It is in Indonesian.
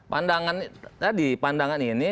pandangan tadi pandangan ini